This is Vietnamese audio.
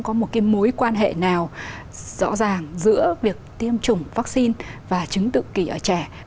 có quan hệ nào rõ ràng giữa việc tiêm chủng vắc xin và chứng tự kỷ ở trẻ